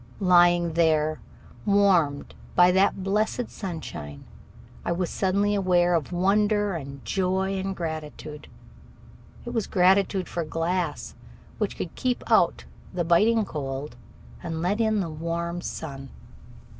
Lying there, warmed by that blessed sunshine, I was suddenly aware of wonder and joy and gratitude. It was gratitude for glass, which could keep out the biting cold and let in the warm sun.